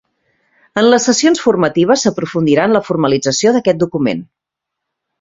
En les sessions formatives s'aprofundirà en la formalització d'aquest document.